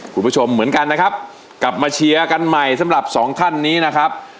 คุณผู้ชมเหมือนกันนะครับกลับมาเชียร์กันใหม่สำหรับสองท่านนี้นะครับ